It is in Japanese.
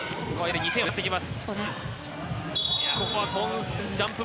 ２点を狙ってきます。